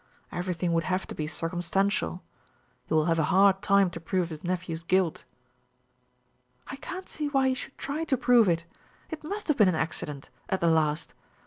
Everything would have to be circumstantial. He will have a hard time to prove his nephew's guilt." "I can't see why he should try to prove it. It must have been an accident at the last.